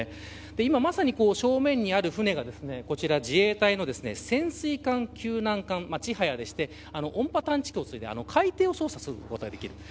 今、まさに正面にある船が自衛隊の潜水艦救難艦ちはやでして音波探知機で海底を捜査することができます。